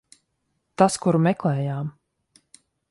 Tas, kuru meklējām.